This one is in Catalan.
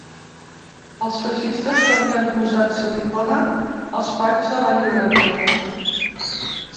Els feixistes també han posat silicona als panys de la llibreria.